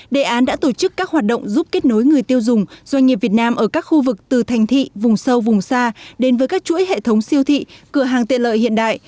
đề án đã tổ chức các hoạt động giúp kết nối người tiêu dùng doanh nghiệp việt nam ở các khu vực từ thành thị vùng sâu vùng xa đến với các chuỗi hệ thống siêu thị cửa hàng tiện lợi hiện đại